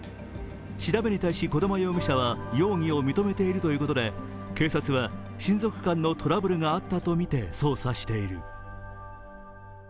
調べに対し児玉容疑者は容疑を認めているということで、警察は、親族間のトラブルがあったとみて捜査している。